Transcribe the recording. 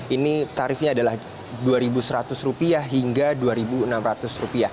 ini tarifnya adalah rp dua seratus hingga rp dua enam ratus